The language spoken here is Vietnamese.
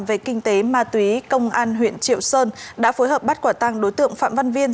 về kinh tế ma túy công an huyện triệu sơn đã phối hợp bắt quả tăng đối tượng phạm văn viên